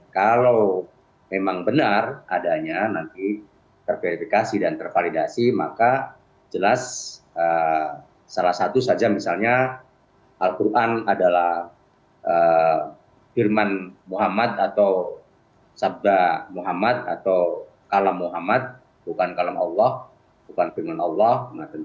kalau memang benar adanya nanti terverifikasi dan tervalidasi maka jelas salah satu saja misalnya al quran adalah firman muhammad atau sabda muhammad atau kalam muhammad bukan kalam allah bukan firman allah